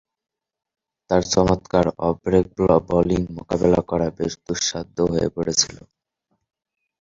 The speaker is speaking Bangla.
তার চমৎকার অফ-ব্রেক বোলিং মোকাবেলা করা বেশ দুঃসাধ্য হয়ে পড়েছিল।